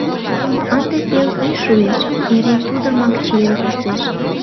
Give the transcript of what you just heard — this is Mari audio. Ынде пел ий шуэш, эре тудымак чиен коштеш.